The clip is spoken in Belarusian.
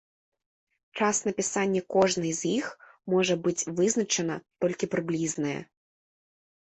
Час напісання кожнай з іх можа быць вызначана толькі прыблізнае.